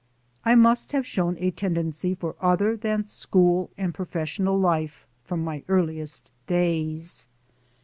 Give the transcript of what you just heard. I must have shown a tendency for other than school and professional life from my earliest days.